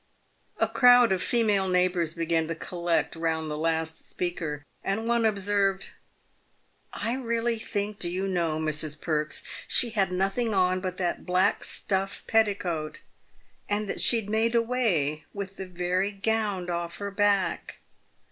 A crowd of female neighbours began to collect round the last speaker, and one observed, " I really think, do you know, Mrs. Perks, she had nothing on but that black stuff petticoat, and that she'd made away with the very gownd off her back.